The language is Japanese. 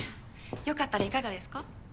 よかったらいかがですか？